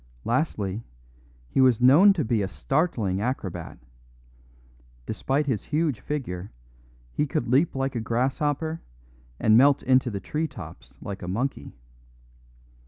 Lastly, he was known to be a startling acrobat; despite his huge figure, he could leap like a grasshopper and melt into the tree tops like a monkey.